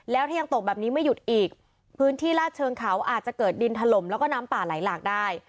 แล้วถ้ายังตกแบบนี้ไม่หยุดอีกพื้นที่ลาดเชิงเขาอาจจะเกิดดินถล่มแล้วก็น้ำป่าไหลหลากได้